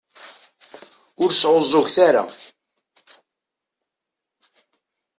Ur sεuẓẓuget ara.